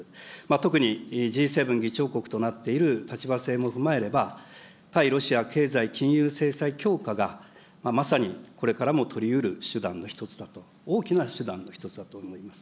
特にＧ７議長国となっている立場性も踏まえれば、対ロシア経済金融制裁強化が、まさにこれからも取りうる手段の一つだと、大きな手段の一つだと思います。